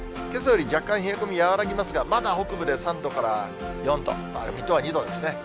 けさより若干冷え込み和らぎますが、まだ北部で３度から４度、水戸は２度ですね。